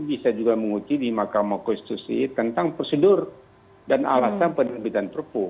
bisa juga menguji di makam konstitusi tentang prosedur dan alasan penerbitan perpu